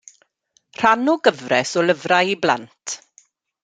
Rhan o gyfres o lyfrau i blant.